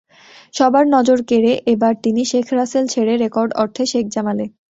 সবার নজর কেড়ে এবার তিনি শেখ রাসেল ছেড়ে রেকর্ড অর্থে শেখ জামালে।